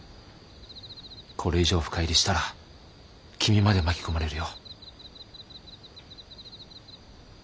これ以上深入りしたら君まで巻き込まれるよ。